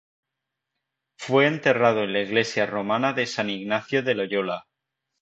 Fue enterrado en la iglesia romana de San Ignacio de Loyola.